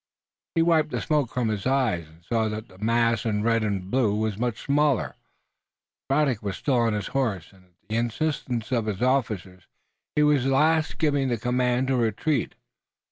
He wiped the smoke from his eyes, and saw that the mass in red and blue was much smaller. Braddock was still on his horse, and, at the insistence of his officers, he was at last giving the command to retreat.